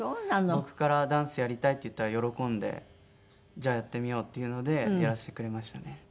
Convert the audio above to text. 僕から「ダンスやりたい」って言ったら喜んで「じゃあやってみよう」というのでやらせてくれましたね。